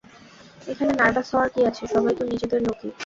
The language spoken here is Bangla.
এখানে নার্ভাস হওয়ার কী আছে, সবাই তো নিজেদের লোকেই।